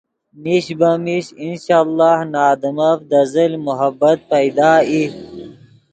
میش بہ میش انشاء اللہ نے آدمف دے زل محبت پیدا ای